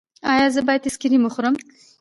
ایا زه باید آیسکریم وخورم؟